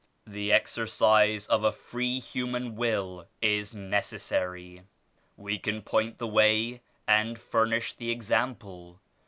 The exercise of a free human will is necessary. We can point the way and fur nish the example.